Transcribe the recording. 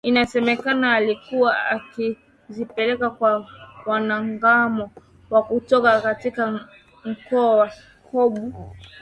inasemekana alikuwa akizipeleka kwa wanamgambo wa kutoka katika mkoa wa Kobu